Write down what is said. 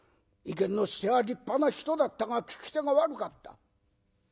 意見の仕手は立派な人だったが聞き手が悪かった。